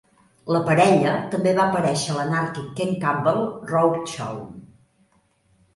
La parella també va aparèixer a l'anàrquic Ken Campbell Road Show.